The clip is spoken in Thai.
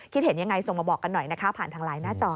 คิดเห็นยังไงส่งมาบอกกันหน่อยนะคะผ่านทางไลน์หน้าจอ